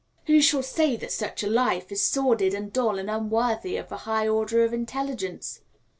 Who shall say that such a life is sordid and dull and unworthy of a high order of intelligence?